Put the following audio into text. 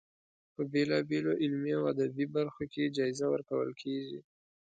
په بېلا بېلو علمي او ادبي برخو کې جایزه ورکول کیږي.